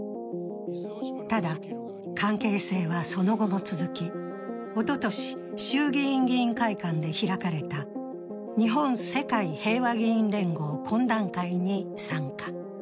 ただ、関係性はその後も続きおととし、衆議院議員会館で開かれた日本・世界平和議員連合懇談会に参加。